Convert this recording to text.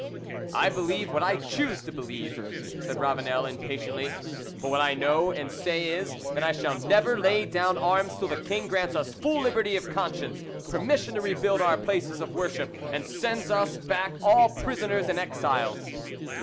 "I believe what I choose to believe," said Ravanel impatiently; "but what I know and say is, that I shall never lay down arms till the king grants us full liberty of conscience, permission to rebuild our places of worship, and sends us back all prisoners and exiles."